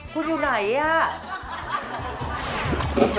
คุณอยู่ไหนอ่ะ